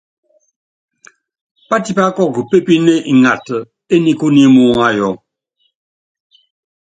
Pátipá kɛ́k pépíne ngata enikú nyi muúŋayɔ.